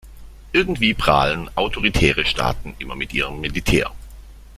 Irgendwie prahlen autoritäre Staaten immer mit ihrem Militär.